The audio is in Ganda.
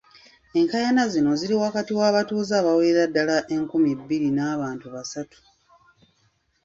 Enkaayana zino ziri wakati w'abatuuze abawerera ddala enkumi bbiri n'abantu basatu